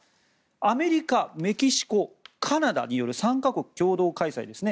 アメリカ、メキシコカナダによる３か国共同開催ですね。